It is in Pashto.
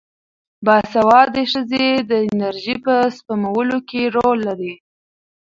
باسواده ښځې د انرژۍ په سپمولو کې رول لري.